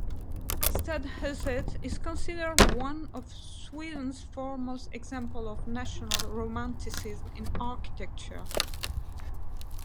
Stadshuset is considered one of Sweden's foremost examples of national romanticism in architecture.